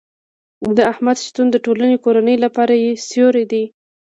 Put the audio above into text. د احمد شتون د ټولې کورنۍ لپاره سیوری دی.